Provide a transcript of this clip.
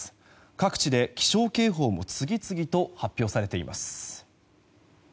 各地で気象警報も次々と発表されています。